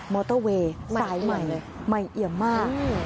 อเตอร์เวย์สายใหม่ใหม่เอี่ยมมาก